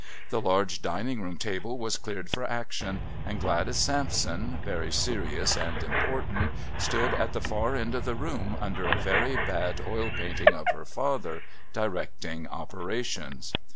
The large dining room table was cleared for action, and Gladys Sampson, very serious and important, stood at the far end of the room under a very bad oil painting of her father, directing operations.